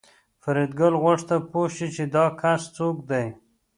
فریدګل غوښتل پوه شي چې دا کس څوک دی